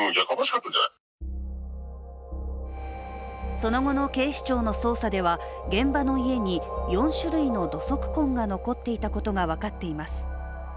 その後の警視庁の捜査では現場の家に４種類の土足痕が残っていたことが分かっています。